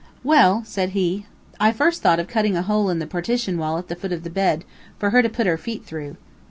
"Well," said he, "I first thought of cutting a hole in the partition wall at the foot of the bed, for her to put her feet through."